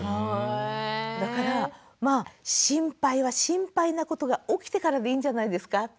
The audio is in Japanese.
だからまあ心配は心配なことが起きてからでいいんじゃないですか。